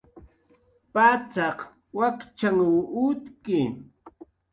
Pacxaq wakchanhw utki